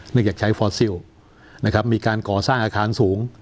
นักยัดใช้ฟอร์สิลล์นะครับมีการก่อสร้างอาคารสูง